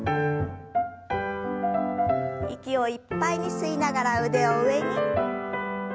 息をいっぱいに吸いながら腕を上に。